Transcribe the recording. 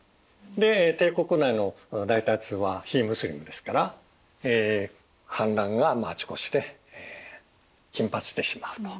で帝国内の大多数は非ムスリムですから反乱があちこちで頻発してしまうと。